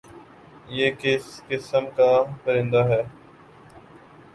یہ کس قِسم کا پرندہ ہے؟